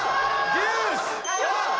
デュース！